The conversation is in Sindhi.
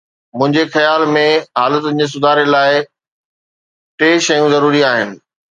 منهنجي خيال ۾ حالتن جي سڌاري لاءِ ٽي شيون ضروري آهن.